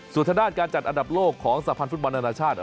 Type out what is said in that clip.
สุดท้านานการจัดอันดับโลกของสะพันธ์ฟุตบาลอาณาชาติ